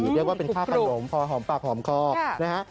เรียกว่าเป็นค่าขนมพอหอมปากหอมคอนะฮะ